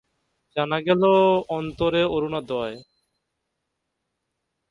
জানা গেল অন্তরে অরুণোদয়।